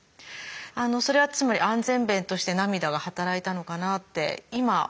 それはつまり「安全弁」として涙が働いたのかなって。